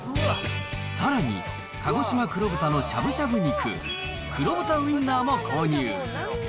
さらに、かごしま黒豚のしゃぶしゃぶ肉、黒豚ウインナーも購入。